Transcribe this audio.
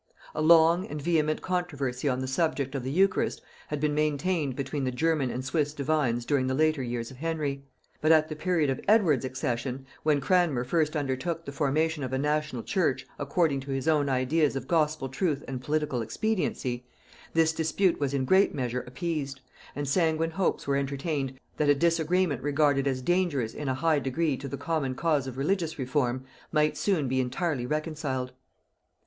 A long and vehement controversy on the subject of the eucharist had been maintained between the German and Swiss divines during the later years of Henry; but at the period of Edward's accession, when Cranmer first undertook the formation of a national church according to his own ideas of gospel truth and political expediency, this dispute was in great measure appeased, and sanguine hopes were entertained that a disagreement regarded as dangerous in a high degree to the common cause of religious reform might soon be entirely reconciled.